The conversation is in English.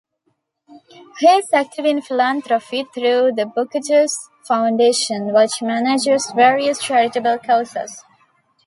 He is active in philanthropy through the Butkus Foundation, which manages various charitable causes.